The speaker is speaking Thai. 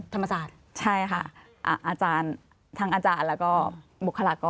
ธรรมสาชแต่อาจารย์ทางอาจารย์แล้วก็บริษัท